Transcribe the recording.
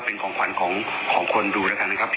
ขอบคุณมากขอบคุณพี่เบิร์ดมากนะครับ